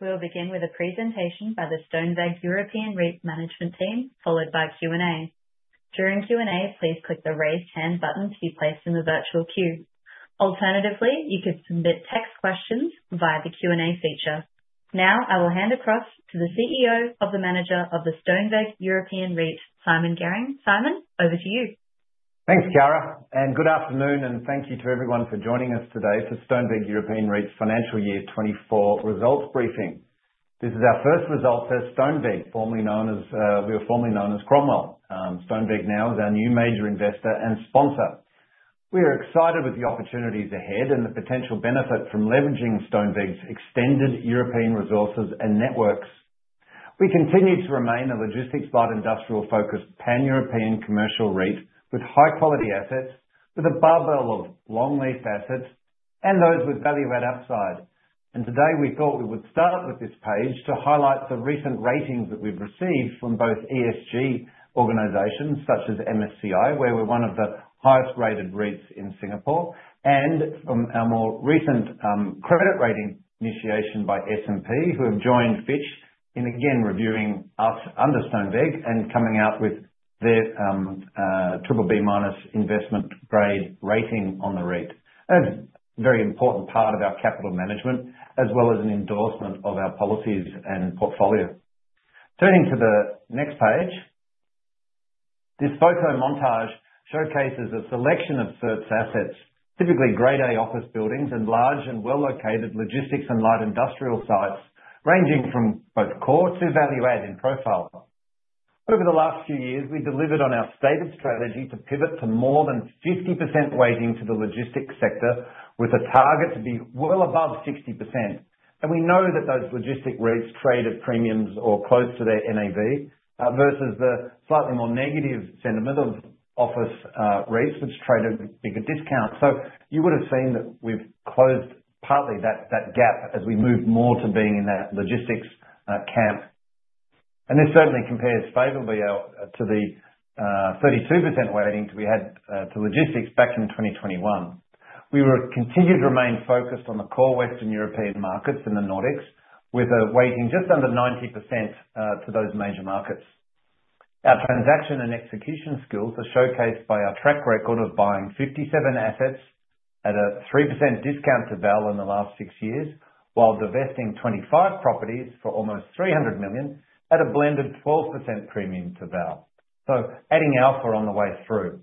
We'll begin with a presentation by the Stoneweg European REIT management team, followed by Q&A. During Q&A, please click the raise hand button to be placed in the virtual queue. Alternatively, you could submit text questions via the Q&A feature. Now, I will hand across to the CEO of the manager of the Stoneweg European REIT, Simon Garing. Simon, over to you. Thanks, Chiara, and good afternoon, and thank you to everyone for joining us today for Stoneweg European REIT's financial year 24 results briefing. This is our first result for Stoneweg. We were formerly known as Cromwell. Stoneweg now is our new major investor and sponsor. We are excited with the opportunities ahead and the potential benefit from leveraging Stoneweg's extended European resources and networks. We continue to remain a logistics-light industrial-focused pan-European commercial REIT with high-quality assets, with a bundle of long-leased assets and those with value-add upside. And today, we thought we would start with this page to highlight the recent ratings that we've received from both ESG organizations such as MSCI, where we're one of the highest rated REITs in Singapore, and from our more recent credit rating initiation by S&P, who have joined Fitch in, again, reviewing us under Stoneweg and coming out with their triple B minus investment grade rating on the REIT. That's a very important part of our capital management, as well as an endorsement of our policies and portfolio. Turning to the next page, this photo montage showcases a selection of CERT's assets, typically Grade A office buildings and large and well-located logistics and light industrial sites ranging from both core to value-add in profile. Over the last few years, we delivered on our stated strategy to pivot to more than 50% weighting to the logistics sector, with a target to be well above 60%. And we know that those logistics REITs traded premiums or close to their NAV versus the slightly more negative sentiment of office REITs, which traded bigger discounts. So you would have seen that we've closed partly that gap as we move more to being in that logistics camp. And this certainly compares favorably to the 32% weighting we had to logistics back in 2021. We continue to remain focused on the core Western European markets in the Nordics, with a weighting just under 90% to those major markets. Our transaction and execution skills are showcased by our track record of buying 57 assets at a 3% discount to value in the last six years, while divesting 25 properties for almost 300 million at a blended 12% premium to value. So adding alpha on the way through.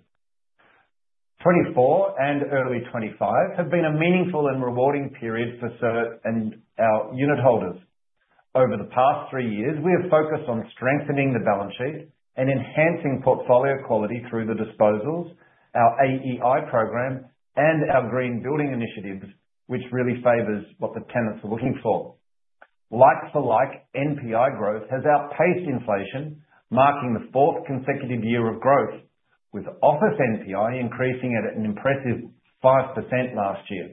2024 and early 2025 have been a meaningful and rewarding period for our unit holders. Over the past three years, we have focused on strengthening the balance sheet and enhancing portfolio quality through the disposals, our AEI program, and our green building initiatives, which really favors what the tenants are looking for. Like-for-like NPI growth has outpaced inflation, marking the fourth consecutive year of growth, with office NPI increasing at an impressive 5% last year.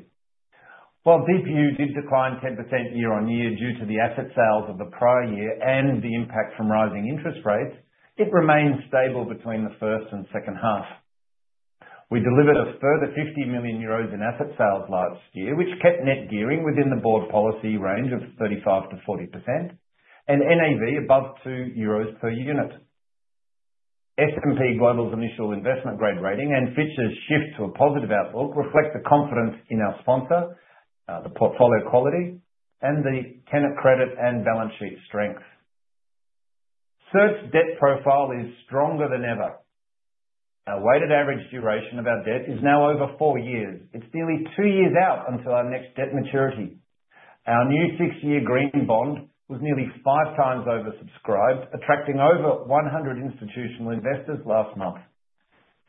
While DPU did decline 10% year on year due to the asset sales of the prior year and the impact from rising interest rates, it remained stable between the first and second half. We delivered a further 50 million euros in asset sales last year, which kept net gearing within the board policy range of 35%-40% and NAV above 2 euros per unit. S&P Global's initial investment grade rating and Fitch's shift to a positive outlook reflect the confidence in our sponsor, the portfolio quality, and the tenant credit and balance sheet strength. CERT's debt profile is stronger than ever. Our weighted average duration of our debt is now over four years. It's nearly two years out until our next debt maturity. Our new six-year green bond was nearly five times oversubscribed, attracting over 100 institutional investors last month.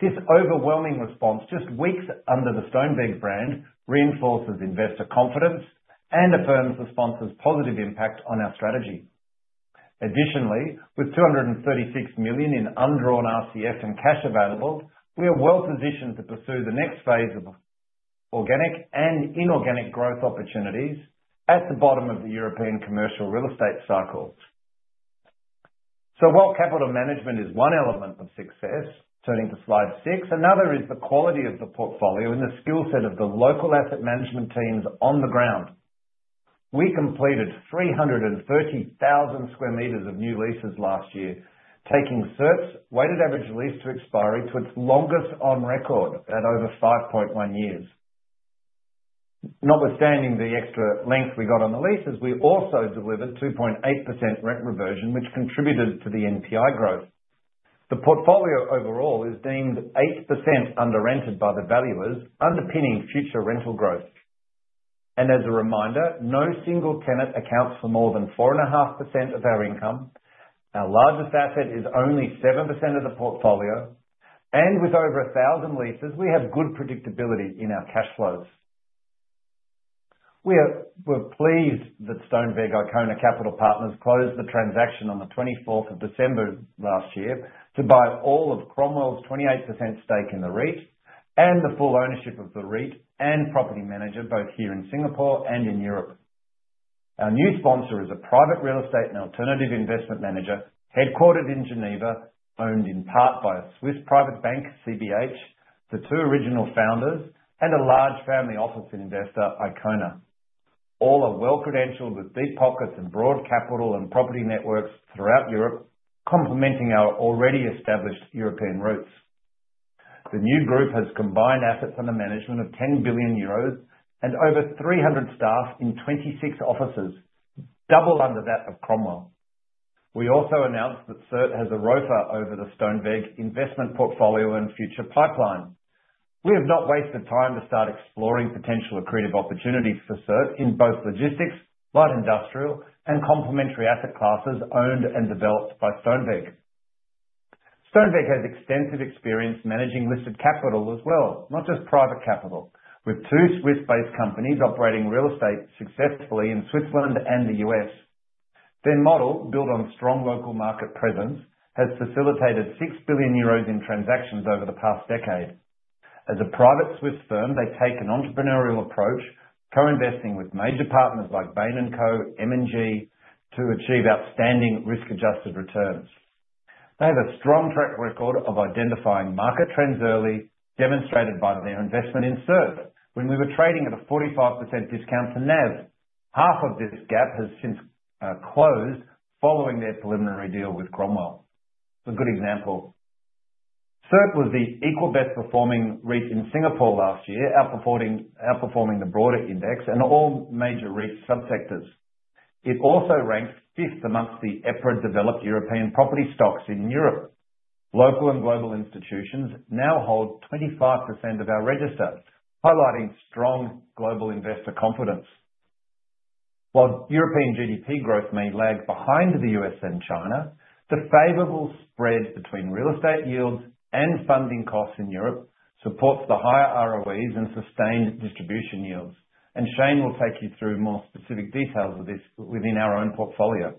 This overwhelming response, just weeks under the Stoneweg brand, reinforces investor confidence and affirms the sponsor's positive impact on our strategy. Additionally, with 236 million in undrawn RCF and cash available, we are well positioned to pursue the next phase of organic and inorganic growth opportunities at the bottom of the European commercial real estate cycle. So while capital management is one element of success, turning to slide six, another is the quality of the portfolio and the skill set of the local asset management teams on the ground. We completed 330,000 square meters of new leases last year, taking CERT's weighted average lease to expiry to its longest on record at over 5.1 years. Notwithstanding the extra length we got on the leases, we also delivered 2.8% rent reversion, which contributed to the NPI growth. The portfolio overall is deemed 8% under-rented by the valuers, underpinning future rental growth. As a reminder, no single tenant accounts for more than 4.5% of our income. Our largest asset is only 7% of the portfolio. With over 1,000 leases, we have good predictability in our cash flows. We were pleased that Stoneweg Icona Capital Partners closed the transaction on the 24th of December last year to buy all of Cromwell's 28% stake in the REIT and the full ownership of the REIT and property manager, both here in Singapore and in Europe. Our new sponsor is a private real estate and alternative investment manager headquartered in Geneva, owned in part by a Swiss private bank, CBH, the two original founders, and a large family office investor, Icona. All are well-credentialed with deep pockets and broad capital and property networks throughout Europe, complementing our already established European roots. The new group has combined assets under management of 10 billion euros and over 300 staff in 26 offices, double under that of Cromwell. We also announced that CERT has a ROFR over the Stoneweg investment portfolio and future pipeline. We have not wasted time to start exploring potential accretive opportunities for CERT in both logistics, light industrial, and complementary asset classes owned and developed by Stoneweg. Stoneweg has extensive experience managing listed capital as well, not just private capital, with two Swiss-based companies operating real estate successfully in Switzerland and the U.S. Their model, built on strong local market presence, has facilitated 6 billion euros in transactions over the past decade. As a private Swiss firm, they take an entrepreneurial approach, co-investing with major partners like Bain & Company, M&G, to achieve outstanding risk-adjusted returns. They have a strong track record of identifying market trends early, demonstrated by their investment in CERT, when we were trading at a 45% discount to NAV. Half of this gap has since closed following their preliminary deal with Cromwell. It's a good example. CERT was the equal best-performing REIT in Singapore last year, outperforming the broader index and all major REIT subsectors. It also ranked fifth amongst the EPRA-developed European property stocks in Europe. Local and global institutions now hold 25% of our register, highlighting strong global investor confidence. While European GDP growth may lag behind the U.S. and China, the favorable spread between real estate yields and funding costs in Europe supports the higher ROEs and sustained distribution yields, and Shane will take you through more specific details of this within our own portfolio.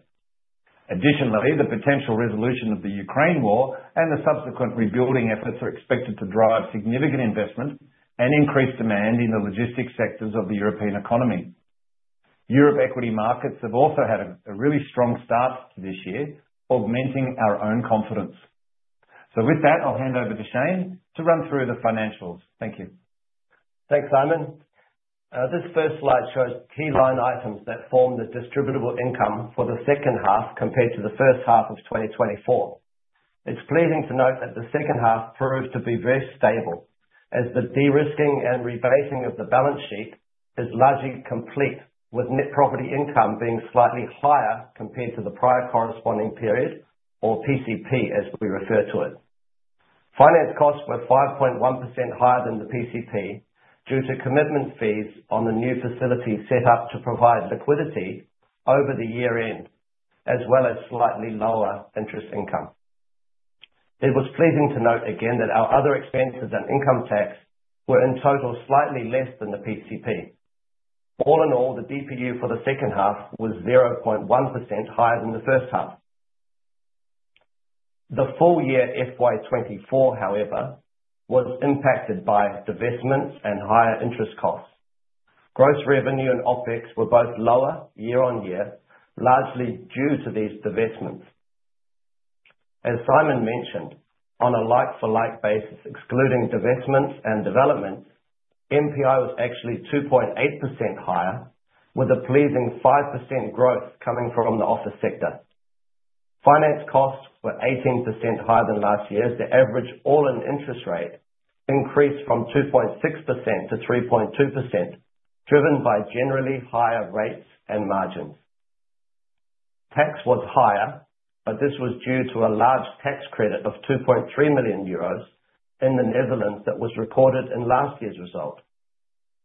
Additionally, the potential resolution of the Ukraine war and the subsequent rebuilding efforts are expected to drive significant investment and increased demand in the logistics sectors of the European economy. Europe equity markets have also had a really strong start to this year, augmenting our own confidence. So with that, I'll hand over to Shane to run through the financials. Thank you. Thanks, Simon. This first slide shows key line items that form the distributable income for the second half compared to the first half of 2024. It's pleasing to note that the second half proved to be very stable, as the de-risking and rebasing of the balance sheet is largely complete, with net property income being slightly higher compared to the prior corresponding period, or PCP, as we refer to it. Finance costs were 5.1% higher than the PCP due to commitment fees on the new facility set up to provide liquidity over the year-end, as well as slightly lower interest income. It was pleasing to note again that our other expenses and income tax were in total slightly less than the PCP. All in all, the DPU for the second half was 0.1% higher than the first half. The full year FY24, however, was impacted by divestments and higher interest costs. Gross revenue and OpEx were both lower year-on-year, largely due to these divestments. As Simon mentioned, on a like-for-like basis, excluding divestments and developments, NPI was actually 2.8% higher, with a pleasing 5% growth coming from the office sector. Finance costs were 18% higher than last year as the average all-in interest rate increased from 2.6%-3.2%, driven by generally higher rates and margins. Tax was higher, but this was due to a large tax credit of 2.3 million euros in the Netherlands that was recorded in last year's result.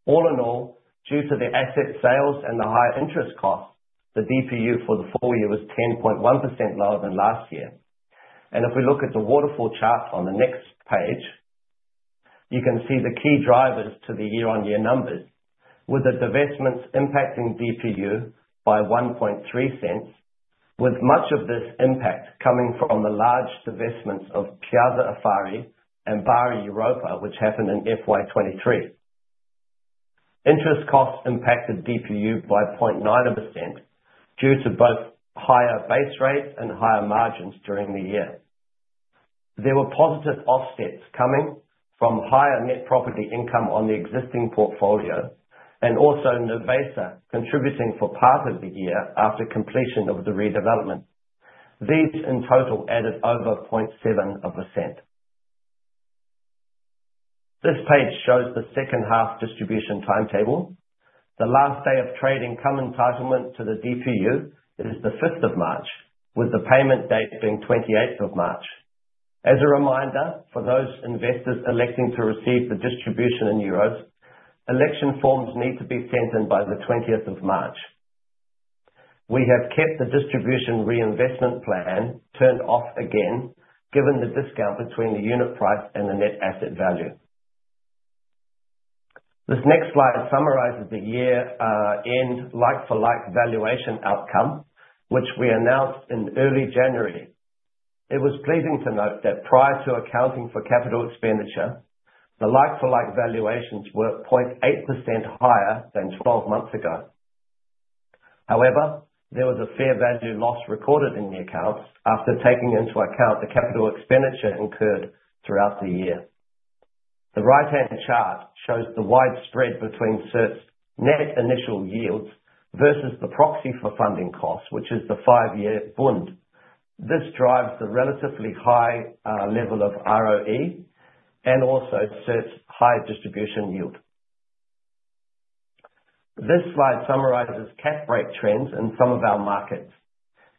All in all, due to the asset sales and the higher interest costs, the DPU for the full year was 10.1% lower than last year. If we look at the waterfall chart on the next page, you can see the key drivers to the year-on-year numbers, with the divestments impacting DPU by 1.3 cents, with much of this impact coming from the large divestments of Piazza Affari and Bari Europa, which happened in FY23. Interest costs impacted DPU by 0.9% due to both higher base rates and higher margins during the year. There were positive offsets coming from higher net property income on the existing portfolio and also Nervesa contributing for part of the year after completion of the redevelopment. These in total added over 0.7%. This page shows the second half distribution timetable. The last day of trade income entitlement to the DPU is the 5th of March, with the payment date being 28th of March. As a reminder, for those investors electing to receive the distribution in euros, election forms need to be sent in by the 20th of March. We have kept the distribution reinvestment plan turned off again, given the discount between the unit price and the net asset value. This next slide summarizes the year-end like-for-like valuation outcome, which we announced in early January. It was pleasing to note that prior to accounting for capital expenditure, the like-for-like valuations were 0.8% higher than 12 months ago. However, there was a fair value loss recorded in the accounts after taking into account the capital expenditure incurred throughout the year. The right-hand chart shows the wide spread between CERT's net initial yields versus the proxy for funding costs, which is the five-year Bund. This drives the relatively high level of ROE and also CERT's high distribution yield. This slide summarizes cap rate trends in some of our markets.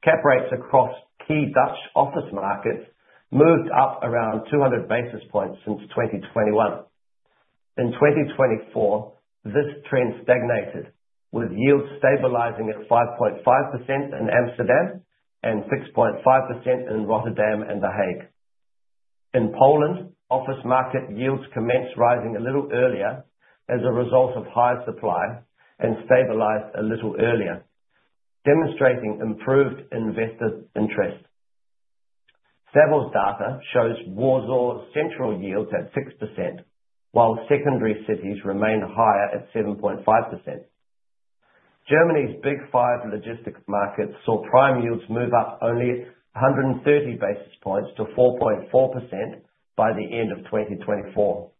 Cap rates across key Dutch office markets moved up around 200 basis points since 2021. In 2024, this trend stagnated, with yields stabilizing at 5.5% in Amsterdam and 6.5% in Rotterdam and The Hague. In Poland, office market yields commenced rising a little earlier as a result of higher supply and stabilized a little earlier, demonstrating improved investor interest. Savills data shows Warsaw's central yields at 6%, while secondary cities remain higher at 7.5%. Germany's big five logistics markets saw prime yields move up only 130 basis points to 4.4% by the end of 2024.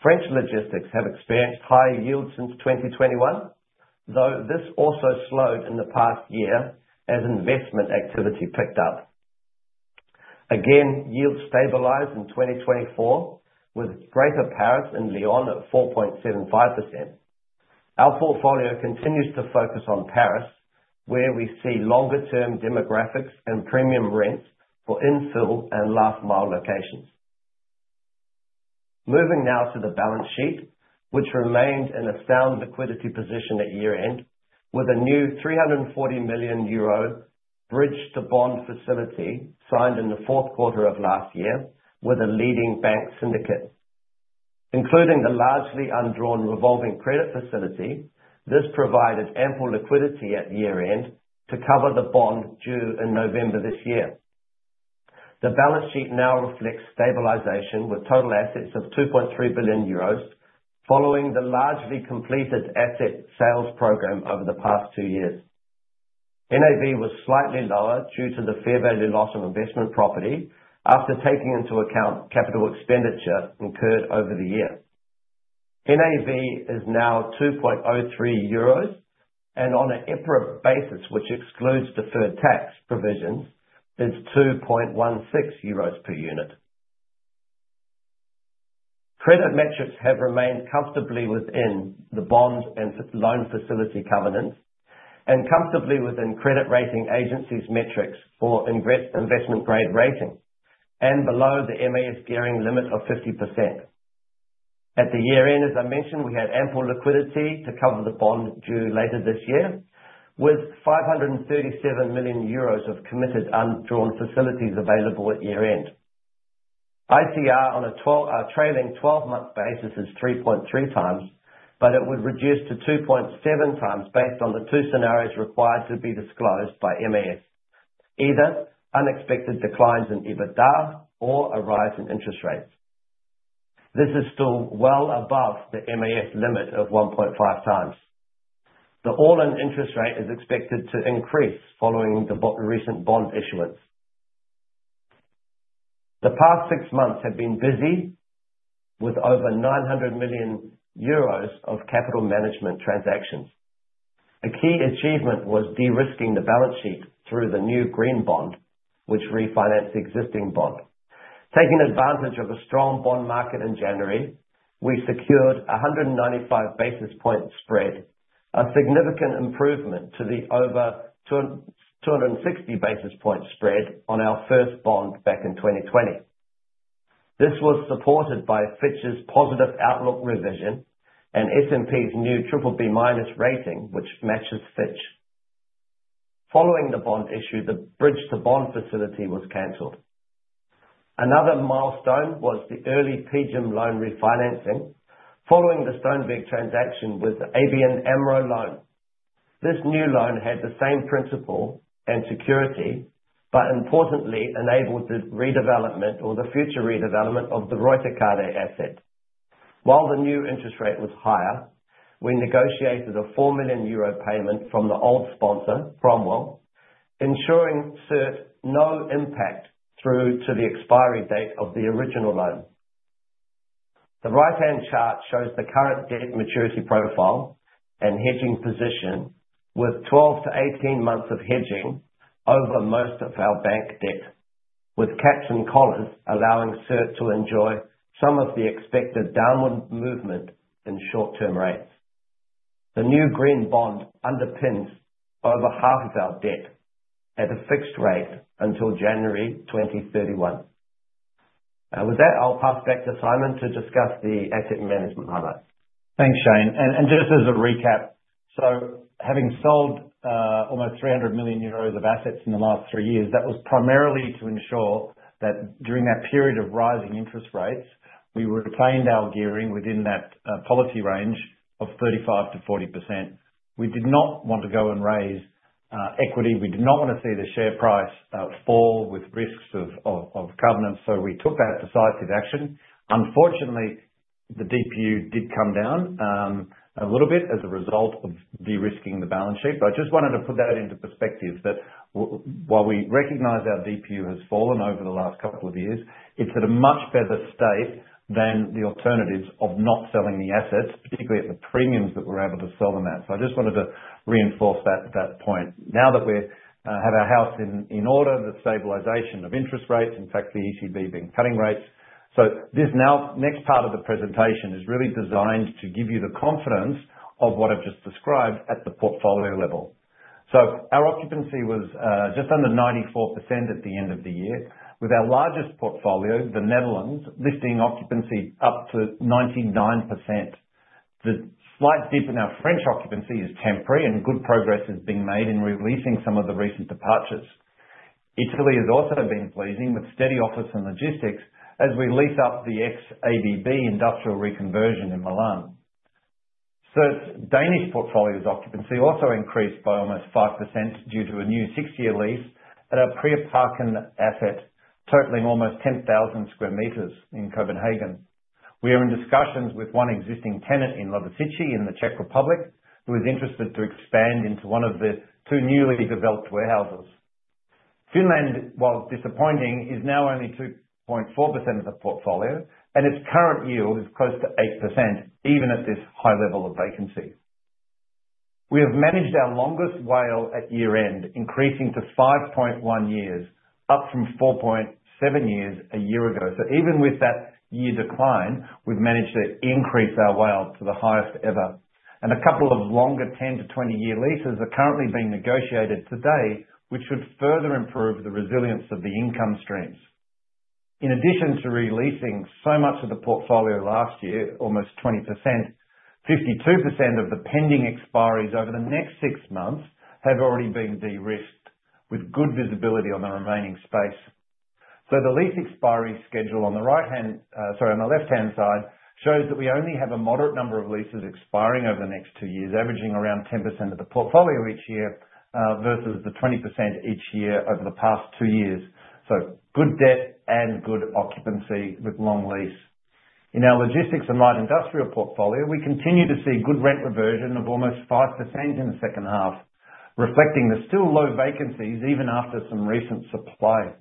French logistics have experienced higher yields since 2021, though this also slowed in the past year as investment activity picked up. Again, yields stabilized in 2024, with Greater Paris and Lyon at 4.75%. Our portfolio continues to focus on Paris, where we see longer-term demographics and premium rents for infill and last-mile locations. Moving now to the balance sheet, which remained in a sound liquidity position at year-end, with a new 340 million euro bridge-to-bond facility signed in the fourth quarter of last year with a leading bank syndicate. Including the largely undrawn revolving credit facility, this provided ample liquidity at year-end to cover the bond due in November this year. The balance sheet now reflects stabilization with total assets of 2.3 billion euros, following the largely completed asset sales program over the past two years. NAV was slightly lower due to the fair value loss on investment property after taking into account capital expenditure incurred over the year. NAV is now 2.03 euros, and on an EPRA basis, which excludes deferred tax provisions, it's 2.16 euros per unit. Credit metrics have remained comfortably within the bond and loan facility covenants and comfortably within credit rating agencies' metrics for investment-grade rating and below the MAS gearing limit of 50%. At the year-end, as I mentioned, we had ample liquidity to cover the bond due later this year, with 537 million euros of committed undrawn facilities available at year-end. ICR on a trailing 12-month basis is 3.3x, but it would reduce to 2.7x based on the two scenarios required to be disclosed by MAS, either unexpected declines in EBITDA or a rise in interest rates. This is still well above the MAS limit of 1.5x. The all-in interest rate is expected to increase following the recent bond issuance. The past six months have been busy, with over 900 million euros of capital management transactions. A key achievement was de-risking the balance sheet through the new green bond, which refinanced existing bond. Taking advantage of a strong bond market in January, we secured a 195 basis point spread, a significant improvement to the over 260 basis point spread on our first bond back in 2020. This was supported by Fitch's positive outlook revision and S&P's new BBB- rating, which matches Fitch. Following the bond issue, the Bridge-to-Bond facility was canceled. Another milestone was the early PGIM loan refinancing following the Stoneweg transaction with the ABN AMRO loan. This new loan had the same principal and security, but importantly, enabled the redevelopment or the future redevelopment of the De Ruyterkade asset. While the new interest rate was higher, we negotiated a 4 million euro payment from the old sponsor, Cromwell, ensuring CERT no impact through to the expiry date of the original loan. The right-hand chart shows the current debt maturity profile and hedging position, with 12-18 months of hedging over most of our bank debt, with caps and collars allowing CERT to enjoy some of the expected downward movement in short-term rates. The new green bond underpins over half of our debt at a fixed rate until January 2031. With that, I'll pass back to Simon to discuss the asset management highlight. Thanks, Shane. And just as a recap, so having sold almost 300 million euros of assets in the last three years, that was primarily to ensure that during that period of rising interest rates, we retained our gearing within that policy range of 35%-40%. We did not want to go and raise equity. We did not want to see the share price fall with risks of covenants, so we took that decisive action. Unfortunately, the DPU did come down a little bit as a result of de-risking the balance sheet, but I just wanted to put that into perspective that while we recognize our DPU has fallen over the last couple of years, it's at a much better state than the alternatives of not selling the assets, particularly at the premiums that we're able to sell them at. So I just wanted to reinforce that point. Now that we have our house in order, the stabilization of interest rates, in fact, the ECB beginning to cut rates. So this next part of the presentation is really designed to give you the confidence of what I've just described at the portfolio level. So our occupancy was just under 94% at the end of the year, with our largest portfolio, the Netherlands, lifting occupancy up to 99%. The slight dip in our French occupancy is temporary, and good progress is being made in re-leasing some of the recent departures. Italy has also been pleasing with steady office and logistics as we lease up the ex-ABB industrial reconversion in Milan. CERT's Danish portfolio's occupancy also increased by almost 5% due to a new six-year lease at a Priorparken asset totaling almost 10,000 sq m in Copenhagen. We are in discussions with one existing tenant in Lovosice in the Czech Republic, who is interested to expand into one of the two newly developed warehouses. Finland, while disappointing, is now only 2.4% of the portfolio, and its current yield is close to 8%, even at this high level of vacancy. We have managed our WALE at year-end, increasing to 5.1 years, up from 4.7 years a year ago. So even with that WALE decline, we've managed to increase our WALE to the highest ever. And a couple of longer 10- to 20-year leases are currently being negotiated today, which should further improve the resilience of the income streams. In addition to releasing so much of the portfolio last year, almost 20%, 52% of the pending expiries over the next six months have already been de-risked, with good visibility on the remaining space. So the lease expiry schedule on the right-hand side shows that we only have a moderate number of leases expiring over the next two years, averaging around 10% of the portfolio each year versus the 20% each year over the past two years. So good debt and good occupancy with long lease. In our logistics and light industrial portfolio, we continue to see good rent reversion of almost 5% in the second half, reflecting the still low vacancies even after some recent supply.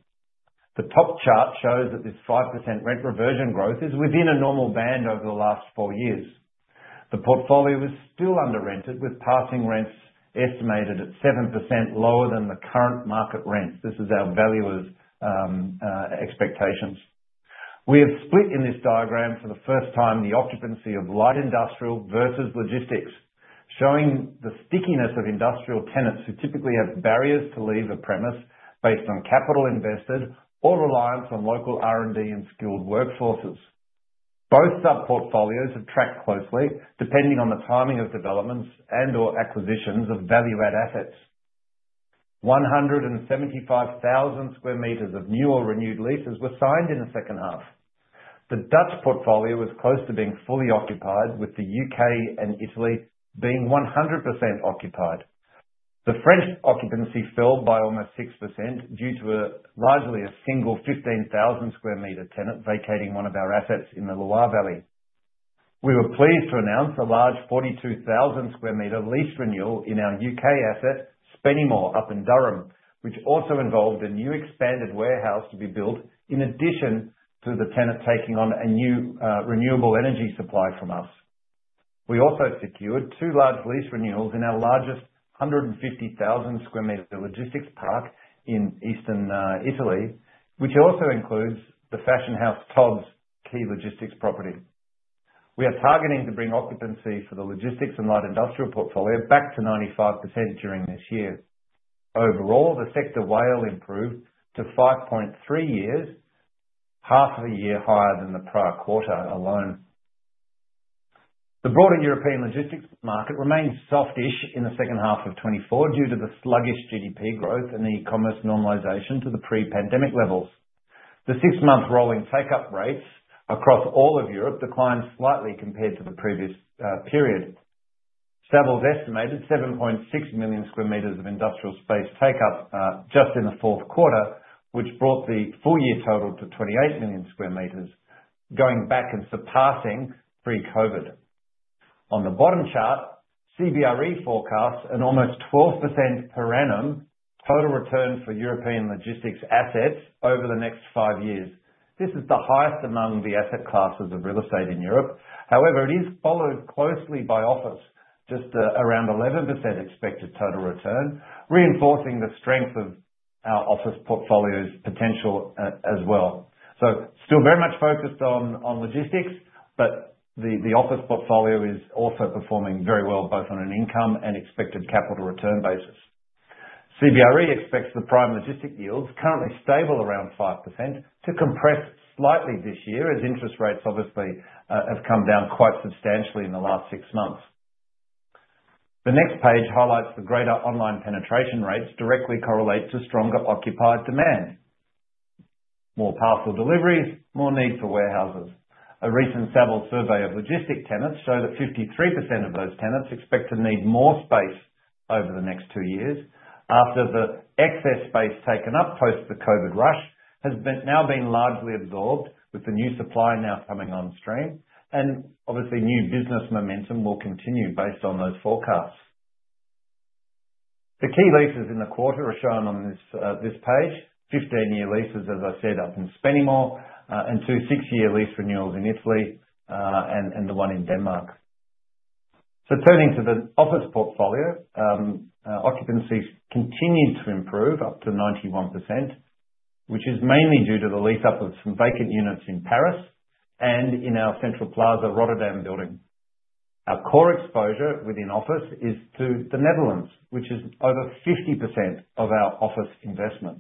The top chart shows that this 5% rent reversion growth is within a normal band over the last four years. The portfolio is still under-rented, with passing rents estimated at 7% lower than the current market rents. This is our valuer's expectations. We have split in this diagram for the first time the occupancy of light industrial versus logistics, showing the stickiness of industrial tenants who typically have barriers to leave a premise based on capital invested or reliance on local R&D and skilled workforces. Both sub-portfolios have tracked closely, depending on the timing of developments and/or acquisitions of value-add assets. 175,000 sq m of new or renewed leases were signed in the second half. The Dutch portfolio was close to being fully occupied, with the U.K. and Italy being 100% occupied. The French occupancy fell by almost 6% due to largely a single 15,000 sq m tenant vacating one of our assets in the Loire Valley. We were pleased to announce a large 42,000 square meter lease renewal in our U.K. asset, Spennymoor, up in Durham, which also involved a new expanded warehouse to be built in addition to the tenant taking on a new renewable energy supply from us. We also secured two large lease renewals in our largest 150,000 square meter logistics park in eastern Italy, which also includes the fashion house Tod's key logistics property. We are targeting to bring occupancy for the logistics and light industrial portfolio back to 95% during this year. Overall, the sector WALE improved to 5.3 years, half a year higher than the prior quarter alone. The broader European logistics market remains soft-ish in the second half of 2024 due to the sluggish GDP growth and the e-commerce normalization to the pre-pandemic levels. The six-month rolling take-up rates across all of Europe declined slightly compared to the previous period. Savills estimated 7.6 million square meters of industrial space take-up just in the fourth quarter, which brought the full year total to 28 million square meters, going back and surpassing pre-COVID. On the bottom chart, CBRE forecasts an almost 12% per annum total return for European logistics assets over the next five years. This is the highest among the asset classes of real estate in Europe. However, it is followed closely by office, just around 11% expected total return, reinforcing the strength of our office portfolio's potential as well. So still very much focused on logistics, but the office portfolio is also performing very well, both on an income and expected capital return basis. CBRE expects the prime logistics yields, currently stable around 5%, to compress slightly this year as interest rates obviously have come down quite substantially in the last six months. The next page highlights the greater online penetration rates directly correlate to stronger occupier demand. More parcel deliveries, more need for warehouses. A recent Savills survey of logistics tenants showed that 53% of those tenants expect to need more space over the next two years after the excess space taken up post the COVID rush has now been largely absorbed with the new supply now coming on stream, and obviously new business momentum will continue based on those forecasts. The key leases in the quarter are shown on this page, 15-year leases, as I said, up in Spennymoor, and two six-year lease renewals in Italy and the one in Denmark. So turning to the office portfolio, occupancy continued to improve up to 91%, which is mainly due to the lease up of some vacant units in Paris and in our Central Plaza Rotterdam building. Our core exposure within office is to the Netherlands, which is over 50% of our office investment.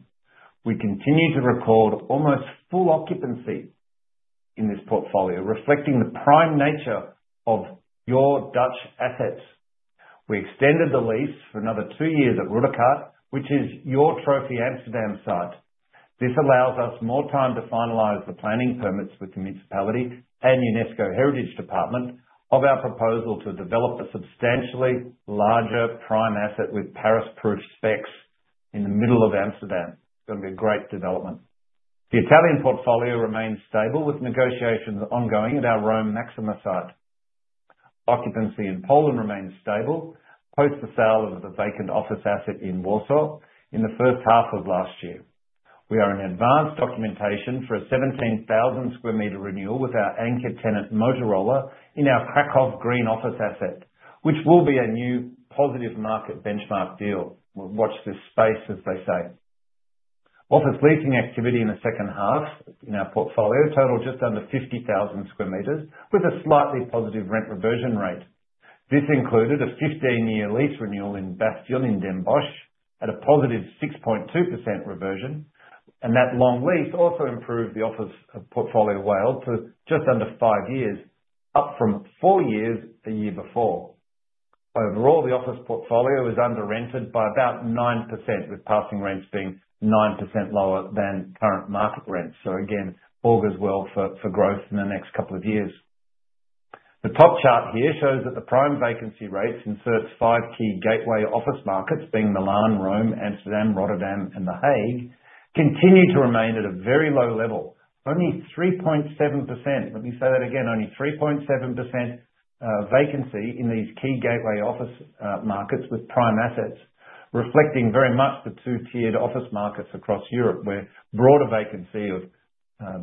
We continue to record almost full occupancy in this portfolio, reflecting the prime nature of your Dutch assets. We extended the lease for another two years at De Ruyterkade, which is your trophy Amsterdam site. This allows us more time to finalize the planning permits with the municipality and UNESCO Heritage Department of our proposal to develop a substantially larger prime asset with Paris-proof specs in the middle of Amsterdam. It's going to be a great development. The Italian portfolio remains stable with negotiations ongoing at our Rome Maxima site. Occupancy in Poland remains stable post the sale of the vacant office asset in Warsaw in the first half of last year. We are in advanced documentation for a 17,000 sq m renewal with our anchor tenant Motorola in our Krakow Green Office asset, which will be a new positive market benchmark deal. We'll watch this space, as they say. Office leasing activity in the second half in our portfolio totaled just under 50,000 sq m with a slightly positive rent reversion rate. This included a 15-year lease renewal in Bastion in Den Bosch at a positive 6.2% reversion, and that long lease also improved the office portfolio WALE to just under five years, up from four years the year before. Overall, the office portfolio is under-rented by about 9%, with passing rents being 9% lower than current market rents. So again, augurs well for growth in the next couple of years. The top chart here shows that the prime vacancy rates in CERT's five key gateway office markets, being Milan, Rome, Amsterdam, Rotterdam, and The Hague, continue to remain at a very low level, only 3.7%. Let me say that again, only 3.7% vacancy in these key gateway office markets with prime assets, reflecting very much the two-tiered office markets across Europe, where broader vacancy of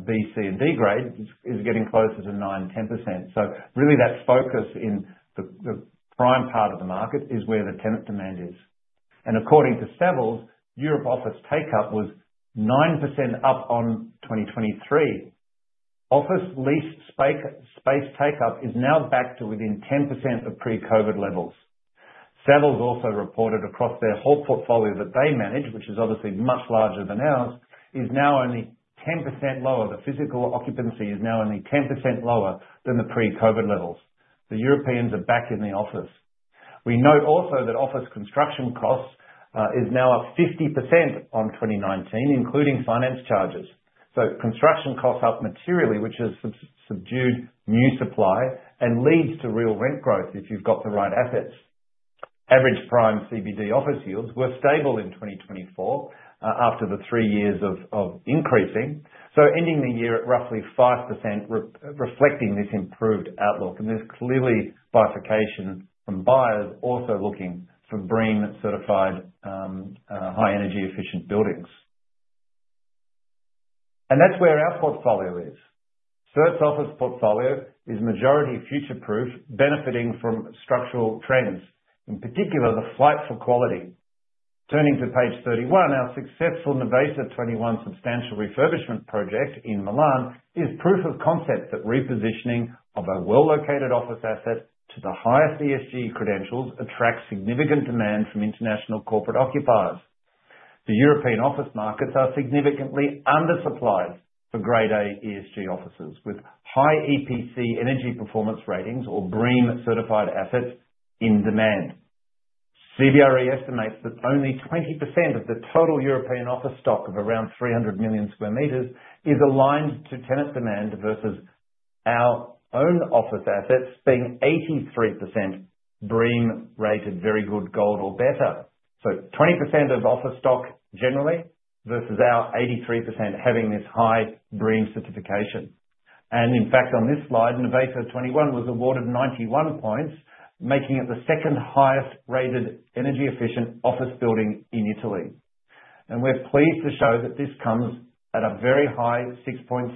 B, C, and D grade is getting closer to 9%-10%. So really, that focus in the prime part of the market is where the tenant demand is. And according to Savills, Europe office take-up was 9% up on 2023. Office lease space take-up is now back to within 10% of pre-COVID levels. Savills also reported across their whole portfolio that they manage, which is obviously much larger than ours, is now only 10% lower. The physical occupancy is now only 10% lower than the pre-COVID levels. The Europeans are back in the office. We note also that office construction costs is now up 50% on 2019, including finance charges. So construction costs up materially, which has subdued new supply and leads to real rent growth if you've got the right assets. Average prime CBD office yields were stable in 2024 after the three years of increasing, so ending the year at roughly 5%, reflecting this improved outlook. And there's clearly bifurcation from buyers also looking for BREEAM-certified high-energy efficient buildings. And that's where our portfolio is. CERT's office portfolio is majority future-proof, benefiting from structural trends, in particular the flight to quality. Turning to page 31, our successful Nervesa 21 substantial refurbishment project in Milan is proof of concept that repositioning of a well-located office asset to the highest ESG credentials attracts significant demand from international corporate occupiers. The European office markets are significantly undersupplied for Grade A ESG offices, with high EPC energy performance ratings or BREEAM-certified assets in demand. CBRE estimates that only 20% of the total European office stock of around 300 million sq m is aligned to tenant demand versus our own office assets being 83% BREEAM-rated Very Good, Gold, or better. So 20% of office stock generally versus our 83% having this high BREEAM certification. And in fact, on this slide, Nervesa 21 was awarded 91 points, making it the second highest-rated energy efficient office building in Italy. We're pleased to show that this comes at a very high 6.6%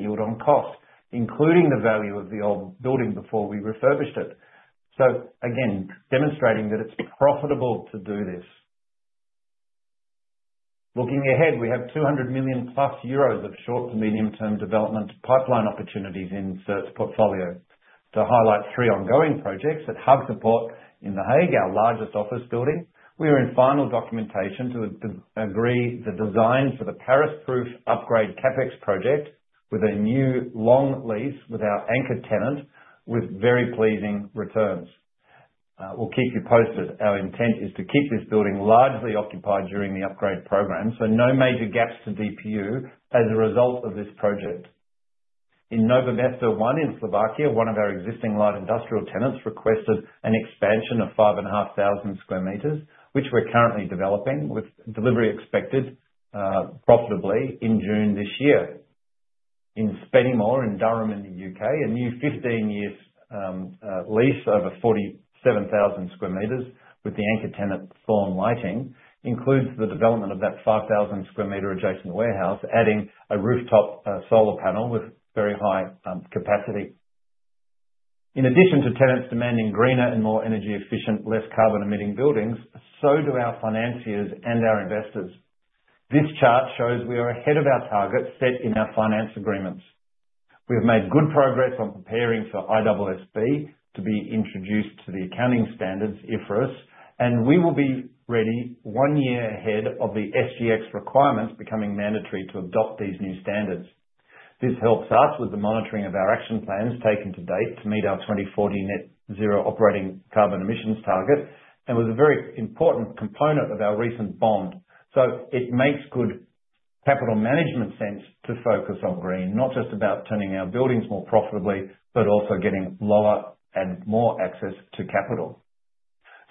yield on cost, including the value of the old building before we refurbished it. So again, demonstrating that it's profitable to do this. Looking ahead, we have 200 million euros plus of short to medium-term development pipeline opportunities in CERT's portfolio. To highlight three ongoing projects at Haagsche Poort in The Hague, our largest office building, we are in final documentation to agree the design for the Paris-proof upgrade CapEx project with a new long lease with our anchor tenant, with very pleasing returns. We'll keep you posted. Our intent is to keep this building largely occupied during the upgrade program, so no major gaps to DPU as a result of this project. In Nove Mesto in Slovakia, one of our existing light industrial tenants requested an expansion of 5,500 sq m, which we're currently developing, with delivery expected profitably in June this year. In Spennymoor in Durham in the U.K., a new 15-year lease over 47,000 sq m with the anchor tenant Thorn Lighting includes the development of that 5,000 sq m adjacent warehouse, adding a rooftop solar panel with very high capacity. In addition to tenants demanding greener and more energy efficient, less carbon emitting buildings, so do our financiers and our investors. This chart shows we are ahead of our target set in our finance agreements. We have made good progress on preparing for ISSB to be introduced to the accounting standards, IFRS, and we will be ready one year ahead of the SGX requirements becoming mandatory to adopt these new standards. This helps us with the monitoring of our action plans taken to date to meet our 2040 net zero operating carbon emissions target and was a very important component of our recent bond, so it makes good capital management sense to focus on BREEAM, not just about turning our buildings more profitably, but also getting lower and more access to capital,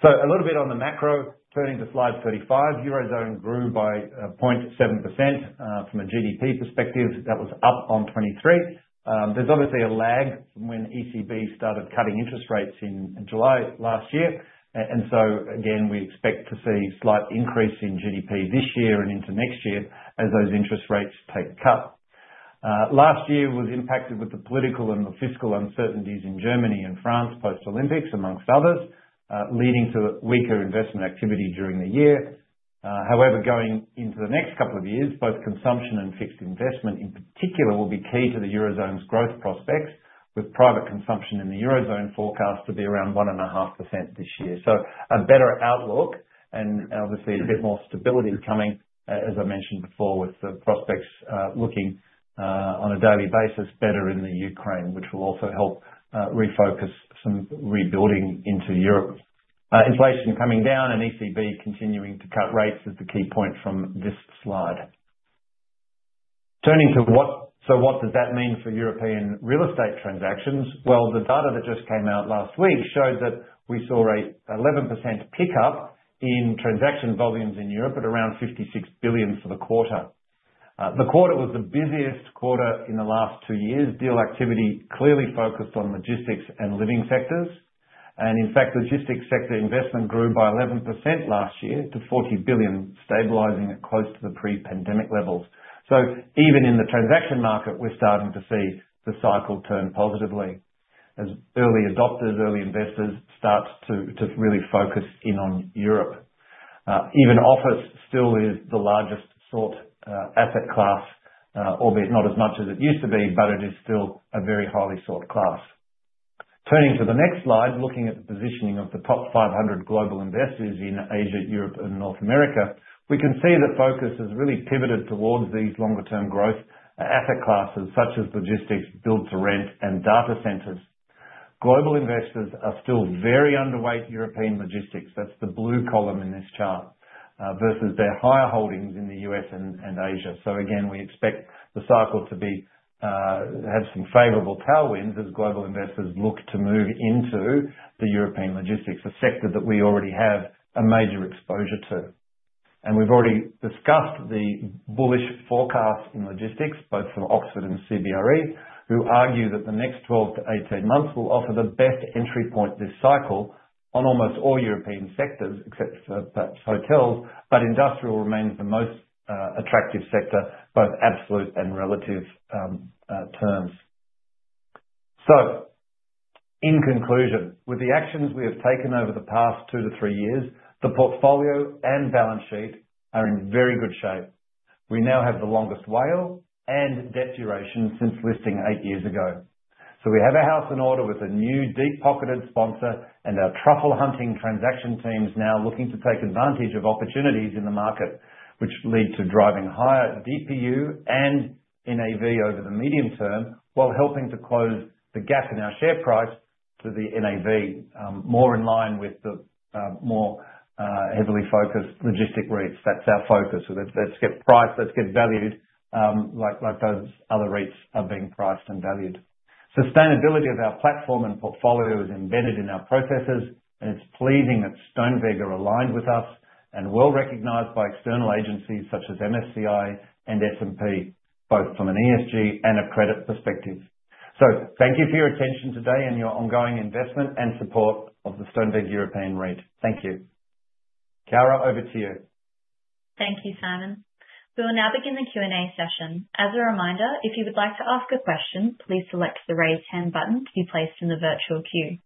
so a little bit on the macro, turning to slide 35, Eurozone grew by 0.7% from a GDP perspective. That was up on 2023. There's obviously a lag from when ECB started cutting interest rates in July last year, and so again, we expect to see a slight increase in GDP this year and into next year as those interest rates take cut. Last year was impacted with the political and the fiscal uncertainties in Germany and France post-Olympics, among others, leading to weaker investment activity during the year. However, going into the next couple of years, both consumption and fixed investment in particular will be key to the Eurozone's growth prospects, with private consumption in the Eurozone forecast to be around 1.5% this year. So a better outlook and obviously a bit more stability coming, as I mentioned before, with the prospects looking on a daily basis better in the Ukraine, which will also help refocus some rebuilding into Europe. Inflation coming down and ECB continuing to cut rates is the key point from this slide. Turning to what does that mean for European real estate transactions? Well, the data that just came out last week showed that we saw an 11% pickup in transaction volumes in Europe at around 56 billion for the quarter. The quarter was the busiest quarter in the last two years. Deal activity clearly focused on logistics and living sectors. In fact, logistics sector investment grew by 11% last year to 40 billion, stabilizing at close to the pre-pandemic levels. Even in the transaction market, we're starting to see the cycle turn positively as early adopters, early investors start to really focus in on Europe. Even office still is the largest sought asset class, albeit not as much as it used to be, but it is still a very highly sought class. Turning to the next slide, looking at the positioning of the top 500 global investors in Asia, Europe, and North America, we can see that focus has really pivoted towards these longer-term growth asset classes such as logistics, build-to-rent, and data centers. Global investors are still very underweight European logistics. That's the blue column in this chart versus their higher holdings in the U.S. and Asia. So again, we expect the cycle to have some favorable tailwinds as global investors look to move into the European logistics, a sector that we already have a major exposure to. And we've already discussed the bullish forecast in logistics, both from Oxford and CBRE, who argue that the next 12-18 months will offer the best entry point this cycle on almost all European sectors except for perhaps hotels, but industrial remains the most attractive sector, both absolute and relative terms. So in conclusion, with the actions we have taken over the past two to three years, the portfolio and balance sheet are in very good shape. We now have the longest WALE and debt duration since listing eight years ago. So we have a house in order with a new deep-pocketed sponsor and our truffle-hunting transaction teams now looking to take advantage of opportunities in the market, which lead to driving higher DPU and NAV over the medium term while helping to close the gap in our share price to the NAV, more in line with the more heavily focused logistics REITs. That's our focus. Let's get priced, let's get valued like those other REITs are being priced and valued. Sustainability of our platform and portfolio is embedded in our processes, and it's pleasing that Stoneweg are aligned with us and well recognized by external agencies such as MSCI and S&P, both from an ESG and a credit perspective. So thank you for your attention today and your ongoing investment and support of the Stoneweg European REIT. Thank you. Chiara, over to you. Thank you, Simon. We will now begin the Q&A session. As a reminder, if you would like to ask a question, please select the raise hand button to be placed in the virtual queue.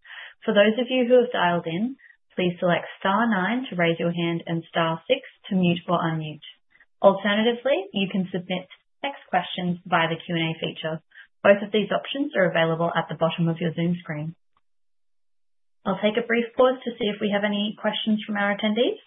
For those of you who have dialed in, please select star nine to raise your hand and star six to mute or unmute. Alternatively, you can submit text questions via the Q&A feature. Both of these options are available at the bottom of your Zoom screen. I'll take a brief pause to see if we have any questions from our attendees.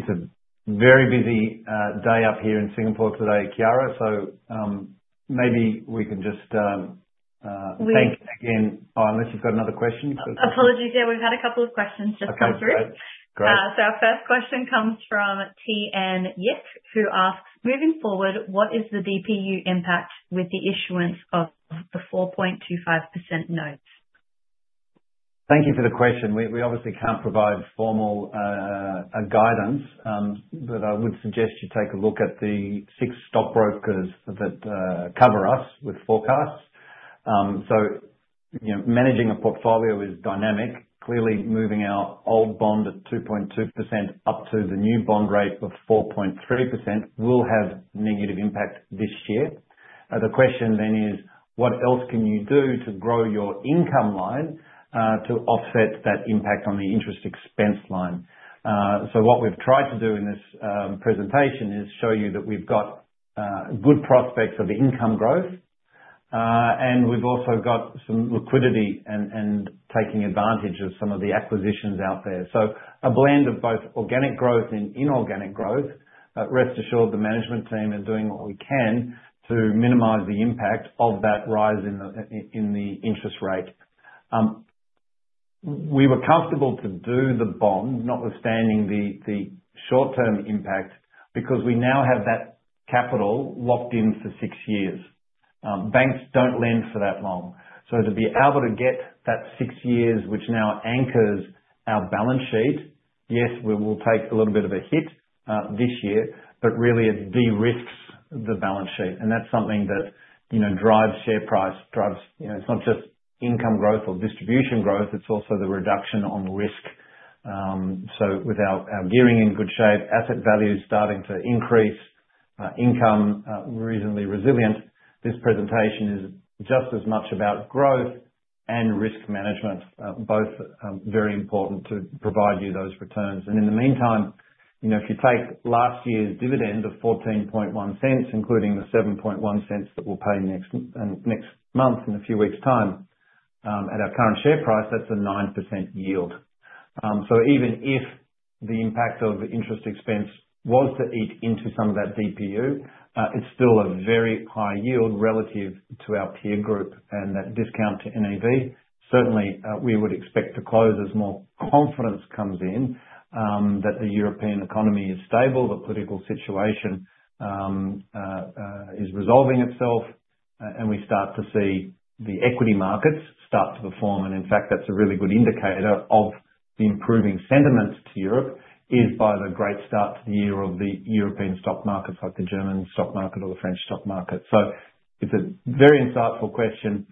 It's a very busy day up here in Singapore today, Chiara. So maybe we can just thank again, unless you've got another question. Apologies, yeah, we've had a couple of questions just come through. So our first question comes from TN Yip, who asks, moving forward, what is the DPU impact with the issuance of the 4.25% notes? Thank you for the question. We obviously can't provide formal guidance, but I would suggest you take a look at the six stockbrokers that cover us with forecasts. So managing a portfolio is dynamic. Clearly, moving our old bond at 2.2% up to the new bond rate of 4.3% will have negative impact this year. The question then is, what else can you do to grow your income line to offset that impact on the interest expense line? So what we've tried to do in this presentation is show you that we've got good prospects of income growth, and we've also got some liquidity and taking advantage of some of the acquisitions out there. So a blend of both organic growth and inorganic growth. Rest assured, the management team are doing what we can to minimize the impact of that rise in the interest rate. We were comfortable to do the bond, notwithstanding the short-term impact, because we now have that capital locked in for six years. Banks don't lend for that long. So to be able to get that six years, which now anchors our balance sheet, yes, we will take a little bit of a hit this year, but really it de-risks the balance sheet. And that's something that drives share price. It's not just income growth or distribution growth, it's also the reduction on risk. So with our gearing in good shape, asset values starting to increase, income reasonably resilient. This presentation is just as much about growth and risk management, both very important to provide you those returns. In the meantime, if you take last year's dividend of 0.141, including the 0.071 that we'll pay next month in a few weeks' time, at our current share price, that's a 9% yield. Even if the impact of interest expense was to eat into some of that DPU, it's still a very high yield relative to our peer group and that discount to NAV. Certainly, we would expect to close as more confidence comes in that the European economy is stable, the political situation is resolving itself, and we start to see the equity markets start to perform. In fact, that's a really good indicator of the improving sentiment to Europe is by the great start to the year of the European stock markets, like the German stock market or the French stock market. It's a very insightful question.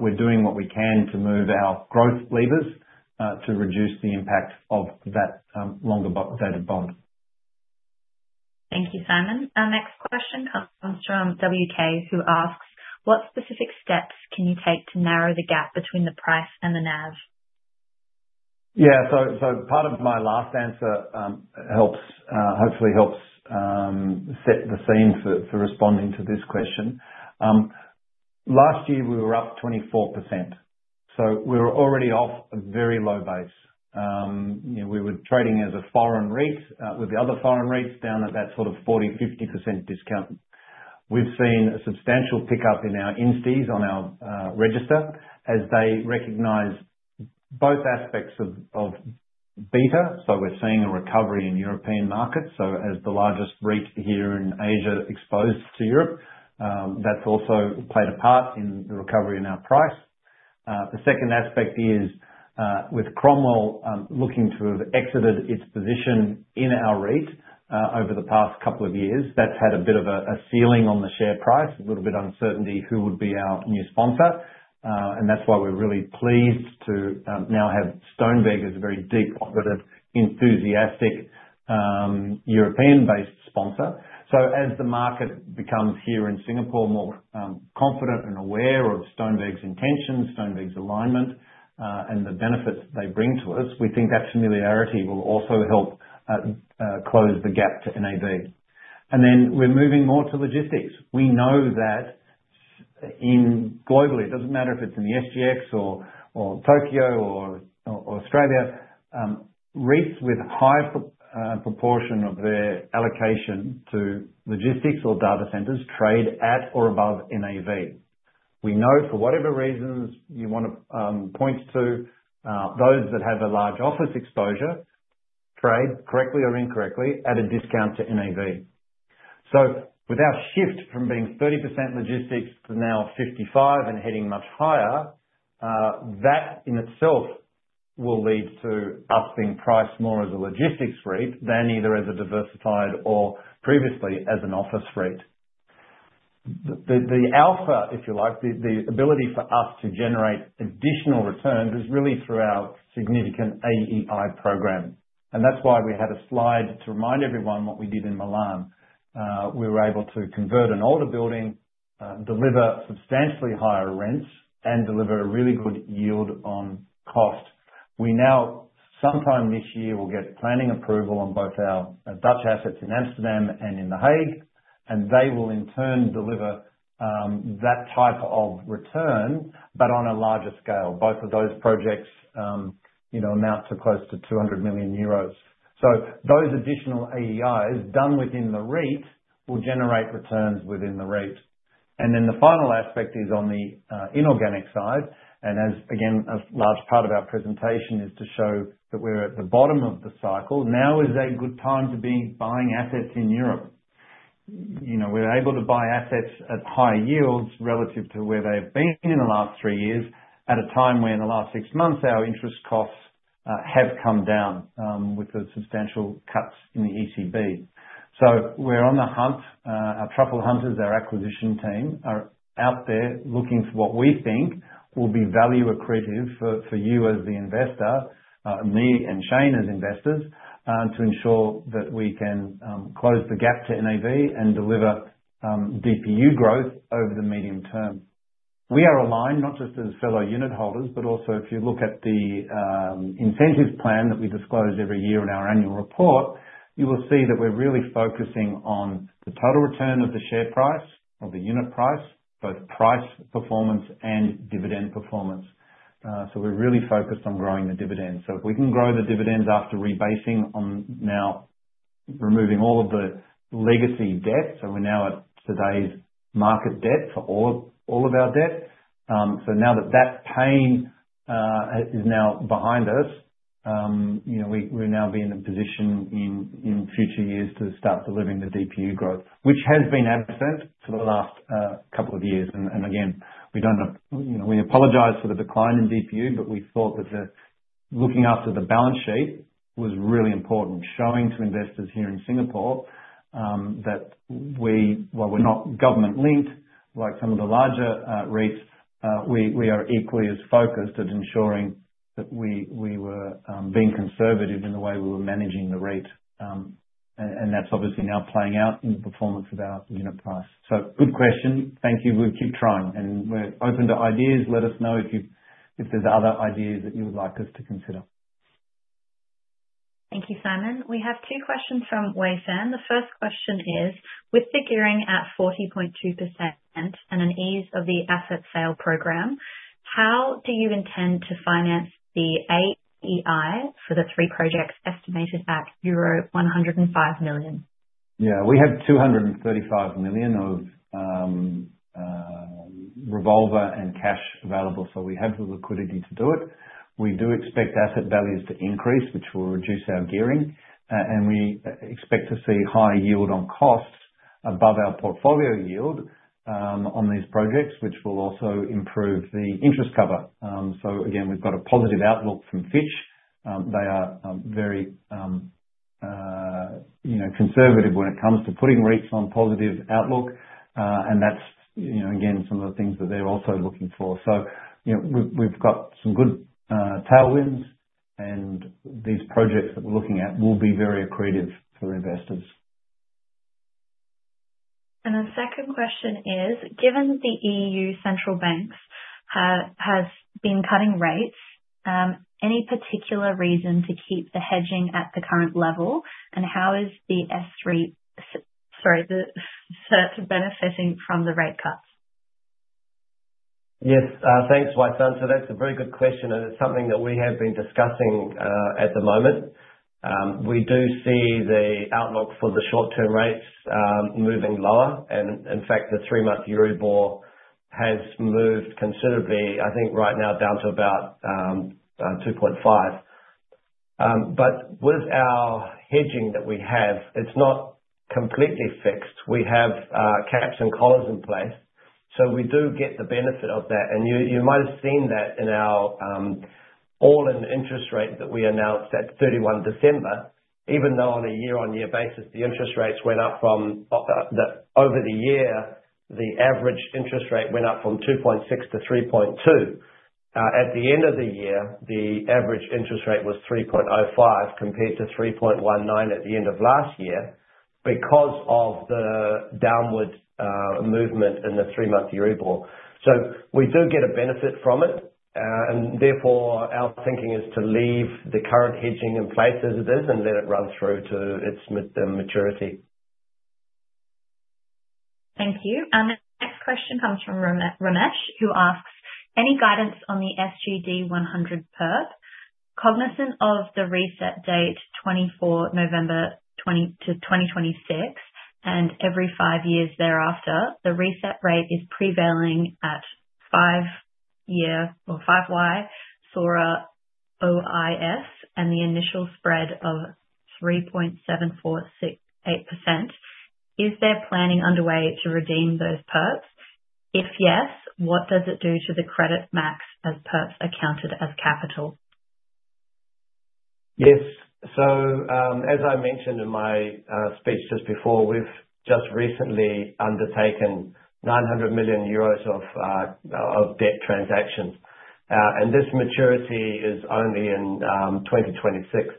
We're doing what we can to move our growth levers to reduce the impact of that longer-dated bond. Thank you, Simon. Our next question comes from WK, who asks, what specific steps can you take to narrow the gap between the price and the NAV? Yeah, so part of my last answer hopefully helps set the scene for responding to this question. Last year, we were up 24%. So we were already off a very low base. We were trading as a foreign REIT with the other foreign REITs down at that sort of 40%-50% discount. We've seen a substantial pickup in our institutions on our register as they recognize both aspects of beta. So we're seeing a recovery in European markets. So as the largest REIT here in Asia exposed to Europe, that's also played a part in the recovery in our price. The second aspect is with Cromwell looking to have exited its position in our REIT over the past couple of years. That's had a bit of a ceiling on the share price, a little bit of uncertainty who would be our new sponsor. That's why we're really pleased to now have Stoneweg as a very deep, operative, enthusiastic European-based sponsor. As the market becomes here in Singapore more confident and aware of Stoneweg's intentions, Stoneweg's alignment, and the benefits they bring to us, we think that familiarity will also help close the gap to NAV. We're moving more to logistics. We know that globally, it doesn't matter if it's in the SGX or Tokyo or Australia, REITs with a high proportion of their allocation to logistics or data centers trade at or above NAV. We know for whatever reasons you want to point to, those that have a large office exposure trade correctly or incorrectly at a discount to NAV. So with our shift from being 30% logistics to now 55% and heading much higher, that in itself will lead to us being priced more as a logistics REIT than either as a diversified or previously as an office REIT. The alpha, if you like, the ability for us to generate additional returns is really through our significant AEI program. And that's why we had a slide to remind everyone what we did in Milan. We were able to convert an older building, deliver substantially higher rents, and deliver a really good yield on cost. We now, sometime this year, will get planning approval on both our Dutch assets in Amsterdam and in The Hague, and they will in turn deliver that type of return, but on a larger scale. Both of those projects amount to close to 200 million euros. So those additional AEIs done within the REIT will generate returns within the REIT. And then the final aspect is on the inorganic side. And again, a large part of our presentation is to show that we're at the bottom of the cycle. Now is a good time to be buying assets in Europe. We're able to buy assets at high yields relative to where they've been in the last three years at a time where in the last six months our interest costs have come down with the substantial cuts in the ECB. So we're on the hunt. Our truffle hunters, our acquisition team, are out there looking for what we think will be value accretive for you as the investor, me and Shane as investors, to ensure that we can close the gap to NAV and deliver DPU growth over the medium term. We are aligned not just as fellow unit holders, but also if you look at the incentive plan that we disclose every year in our annual report, you will see that we're really focusing on the total return of the share price or the unit price, both price performance and dividend performance so we're really focused on growing the dividends so if we can grow the dividends after rebasing on now removing all of the legacy debt, so we're now at today's market debt for all of our debt. So now that the pain is behind us, we're in a position in future years to start delivering the DPU growth, which has been absent for the last couple of years. We apologize for the decline in DPU, but we thought that looking after the balance sheet was really important, showing to investors here in Singapore that while we're not government-linked like some of the larger REITs, we are equally as focused at ensuring that we were being conservative in the way we were managing the REIT. That's obviously now playing out in the performance of our unit price. Good question. Thank you. We'll keep trying. We're open to ideas. Let us know if there's other ideas that you would like us to consider. Thank you, Simon. We have two questions from Wei Fan. The first question is, with the gearing at 40.2% and an ease of the asset sale program, how do you intend to finance the AEI for the three projects estimated at euro 105 million? Yeah, we have 235 million of revolver and cash available, so we have the liquidity to do it. We do expect asset values to increase, which will reduce our gearing. And we expect to see high yield on costs above our portfolio yield on these projects, which will also improve the interest cover. So again, we've got a positive outlook from Fitch. They are very conservative when it comes to putting REITs on positive outlook. And that's, again, some of the things that they're also looking for. So we've got some good tailwinds, and these projects that we're looking at will be very accretive for investors. Our second question is, given that the EU central banks have been cutting rates, any particular reason to keep the hedging at the current level? And how is the S-REIT, sorry, the CERT benefiting from the rate cuts? Yes, thanks, Wei Fan. So that's a very good question, and it's something that we have been discussing at the moment. We do see the outlook for the short-term rates moving lower. In fact, the three-month Euribor has moved considerably, I think right now down to about 2.5%. But with our hedging that we have, it's not completely fixed. We have caps and collars in place. So we do get the benefit of that. And you might have seen that in our all-in interest rate that we announced at 31 December, even though on a year-on-year basis, the interest rates went up from over the year, the average interest rate went up from 2.6%-3.2%. At the end of the year, the average interest rate was 3.05% compared to 3.19% at the end of last year because of the downward movement in the three-month Euribor. So we do get a benefit from it. And therefore, our thinking is to leave the current hedging in place as it is and let it run through to its maturity. Thank you. And the next question comes from Ramesh, who asks, any guidance on the SGD 100 perp? Cognizant of the reset date 24 November 2026 and every five years thereafter, the reset rate is prevailing at 5Y SORA OIS and the initial spread of 3.748%. Is there planning underway to redeem those perps? If yes, what does it do to the credit metrics as perps accounted as capital? Yes. So as I mentioned in my speech just before, we've just recently undertaken 900 million euros of debt transactions. And this maturity is only in 2026.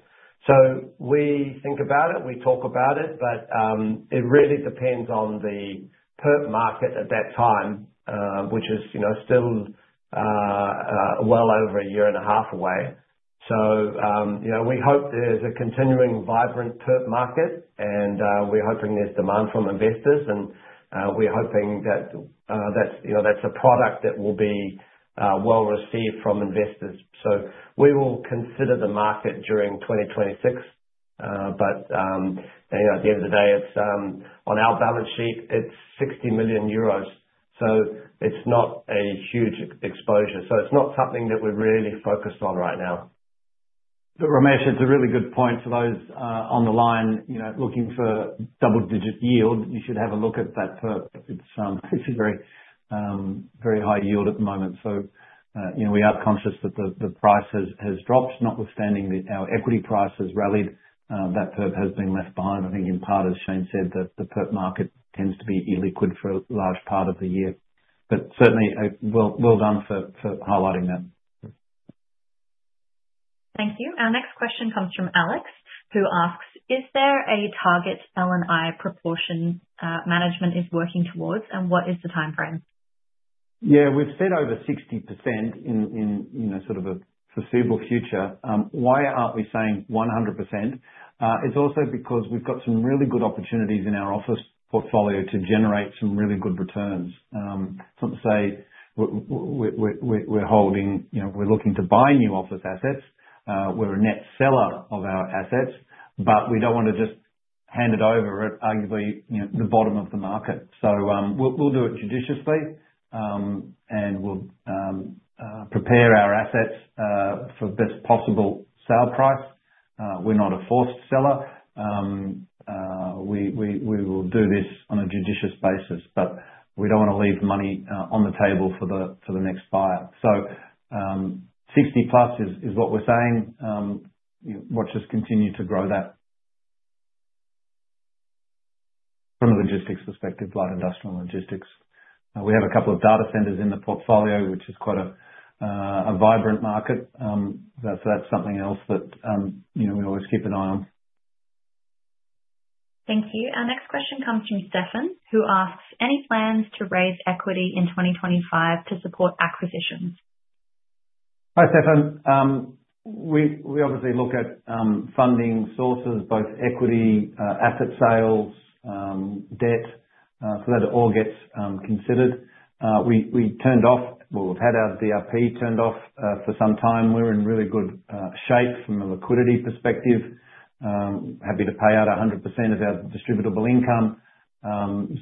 So we think about it, we talk about it, but it really depends on the perp market at that time, which is still well over a year and a half away. So we hope there's a continuing vibrant perp market, and we're hoping there's demand from investors. And we're hoping that that's a product that will be well received from investors. So we will consider the market during 2026. But at the end of the day, on our balance sheet, it's 60 million euros. So it's not a huge exposure. So it's not something that we're really focused on right now. But Ramesh, it's a really good point for those on the line looking for double-digit yield. You should have a look at that perp. It's a very high yield at the moment. So we are conscious that the price has dropped. Notwithstanding that our equity price has rallied, that perp has been left behind. I think in part, as Shane said, that the perp market tends to be illiquid for a large part of the year. But certainly, well done for highlighting that. Thank you. Our next question comes from Alex, who asks, is there a target L&I proportion management is working towards, and what is the timeframe? Yeah, we've said over 60% in sort of a foreseeable future. Why aren't we saying 100%? It's also because we've got some really good opportunities in our office portfolio to generate some really good returns. It's not to say we're holding, we're looking to buy new office assets. We're a net seller of our assets, but we don't want to just hand it over at arguably the bottom of the market. So we'll do it judiciously, and we'll prepare our assets for best possible sale price. We're not a forced seller. We will do this on a judicious basis, but we don't want to leave money on the table for the next buyer. So 60+ is what we're saying. Watch us continue to grow that from a logistics perspective, like industrial logistics. We have a couple of data centers in the portfolio, which is quite a vibrant market. So that's something else that we always keep an eye on. Thank you. Our next question comes from Stefan, who asks, any plans to raise equity in 2025 to support acquisitions? Hi, Stefan. We obviously look at funding sources, both equity, asset sales, debt. So that all gets considered. We turned off, well, we've had our DRP turned off for some time. We're in really good shape from a liquidity perspective. Happy to pay out 100% of our distributable income.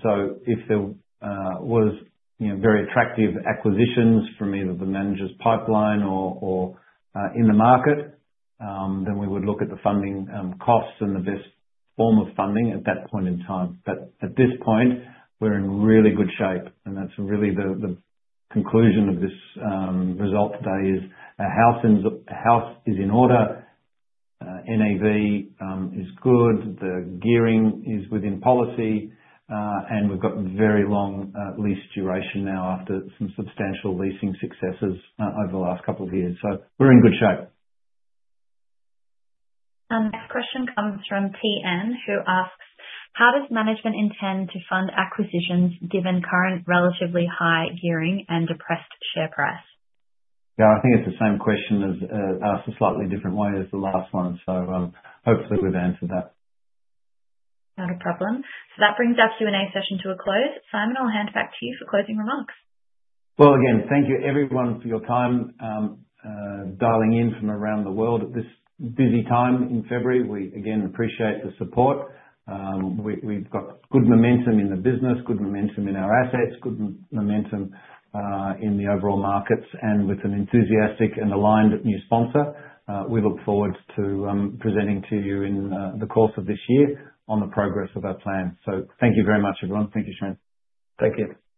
So if there were very attractive acquisitions from either the manager's pipeline or in the market, then we would look at the funding costs and the best form of funding at that point in time. But at this point, we're in really good shape. And that's really the conclusion of this result today: our house is in order. NAV is good. The gearing is within policy. We've got very long lease duration now after some substantial leasing successes over the last couple of years. We're in good shape. Our next question comes from TN, who asks, how does management intend to fund acquisitions given current relatively high gearing and depressed share price? Yeah, I think it's the same question as asked a slightly different way as the last one. Hopefully we've answered that. Not a problem. That brings our Q&A session to a close. Simon, I'll hand back to you for closing remarks. Again, thank you everyone for your time dialing in from around the world at this busy time in February. We again appreciate the support. We've got good momentum in the business, good momentum in our assets, good momentum in the overall markets. And with an enthusiastic and aligned new sponsor, we look forward to presenting to you in the course of this year on the progress of our plan. So thank you very much, everyone. Thank you, Shane. Thank you.